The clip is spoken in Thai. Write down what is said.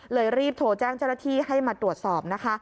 รีบโทรแจ้งเจ้าหน้าที่ให้มาตรวจสอบนะคะ